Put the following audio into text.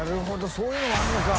そういうのもあるのか。